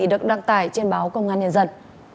được đăng tải trên báo công an nhân dân